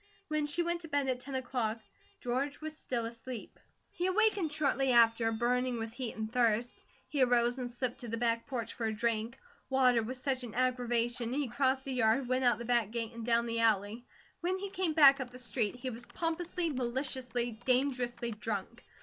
When she went to bed at ten o'clock George was still asleep. He awakened shortly after, burning with heat and thirst. He arose and slipped to the back porch for a drink. Water was such an aggravation, he crossed the yard, went out the back gate, and down the alley. When he came back up the street, he was pompously, maliciously, dangerously drunk.